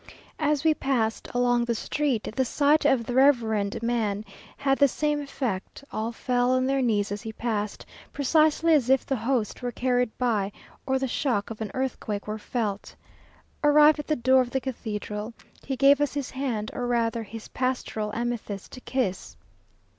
As we passed along the street, the sight of the reverend man had the same effect; all fell on their knees as he passed, precisely as if the host were carried by, or the shock of an earthquake were felt. Arrived at the door of the cathedral, he gave us his hand, or rather his pastoral amethyst, to kiss.